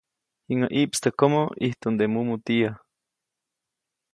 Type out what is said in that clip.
Jiŋäʼ ʼiʼpstäjkomo, ʼijtuʼnde mumutiyä.